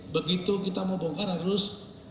begitu kita mau bongkar harus